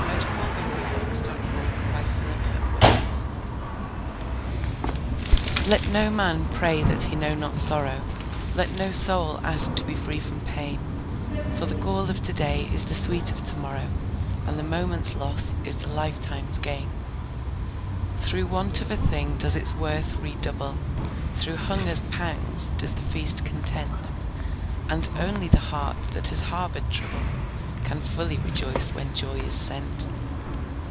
Ella Wheeler Wilcox Life's Harmonies LET no man pray that he know not sorrow, Let no soul ask to be free from pain, For the gall of to day is the sweet of to morrow, And the moment's loss is the lifetime's gain. Through want of a thing does its worth redouble, Through hunger's pangs does the feast content, And only the heart that has harbored trouble, Can fully rejoice when joy is sent.